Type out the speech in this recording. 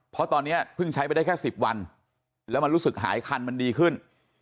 เพราะตอนนี้เพิ่งใช้ไปได้แค่๑๐วันแล้วมันรู้สึกหายคันมันดีขึ้น